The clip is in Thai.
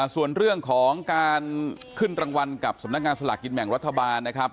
ส่วนเรื่องของการขึ้นรางวัลกับสำนักงานสลากกินแบ่งรัฐบาลนะครับ